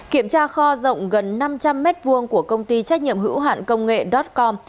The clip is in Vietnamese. kiểm tra kho rộng gần năm trăm linh m hai của công ty trách nhiệm hữu hạn công nghệ dotcom